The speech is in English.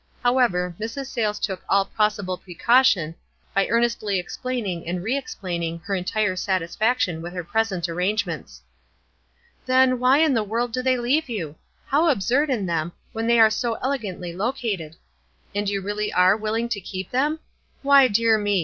However, Mrs. Sayles took all possible precaution by earnestly explaining and re explaining her en tire satisfaction with her present arrangements. "Then, why in the world do they leave you? How absurd in them, when they are so elegant ly located ! And you really are willing to keep them? Why, dear me